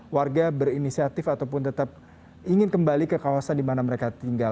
warga berinisiatif ataupun tetap ingin kembali ke kawasan di mana mereka tinggal